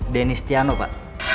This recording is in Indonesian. denis tiano pak